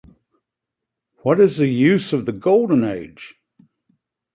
What is the use of the golden age?